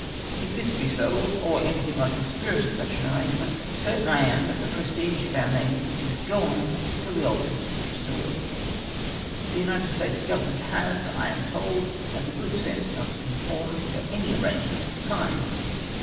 If this be so, or anytliing like the spirit of such an arrangement, certain I am that the prestige of our navy is gone till the old system is restored. The United States Government has, 190 OFFICERS OUGHT TO CHOOSE THEIR OWN PROCTORS. I am told, liad tlie good sense not to conform to any arrangement of the kind.